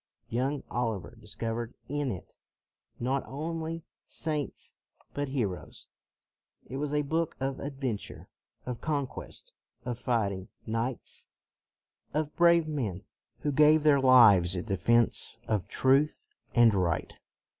Young Oliver dis covered in it not only saints but heroes; it was a book of adventure, of conquest, of fighting knights, of brave men who gave their lives in defense of truth and right.